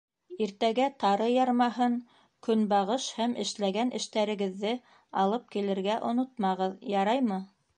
Иртәгә тары ярмаһын, көнбағыш һәм эшләгән эштәрегеҙҙе алып килергә онотмағыҙ, яраймы?